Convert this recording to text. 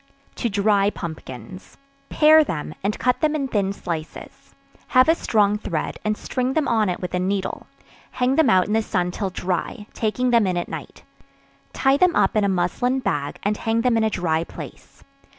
To Dry Pumpkins. Pare them, and cut them in thin slices; have a strong thread, and string them on it with a needle; hang them out in the sun till dry, taking them in at night; tie them up in a muslin bag, and hang them in a dry place.